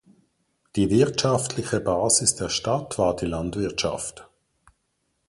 Die wirtschaftliche Basis der Stadt war die Landwirtschaft.